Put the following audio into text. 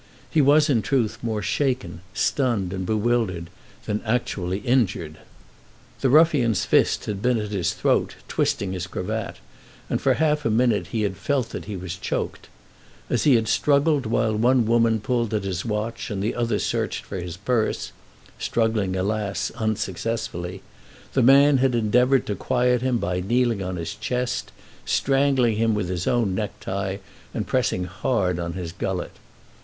He was in truth more shaken, stunned, and bewildered than actually injured. The ruffian's fist had been at his throat, twisting his cravat, and for half a minute he had felt that he was choked. As he had struggled while one woman pulled at his watch and the other searched for his purse, struggling, alas! unsuccessfully, the man had endeavoured to quiet him by kneeling on his chest, strangling him with his own necktie, and pressing hard on his gullet.